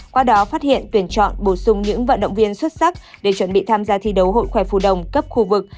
qua đó phát hiện tuyển chọn bổ sung những vận động viên xuất sắc để chuẩn bị tham gia thi đấu hội khỏe phù đồng cấp khu vực